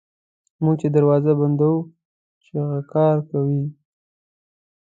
موږ چي دروازه بندوو چیغهار کوي.